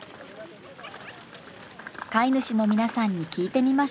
飼い主の皆さんに聞いてみましょう。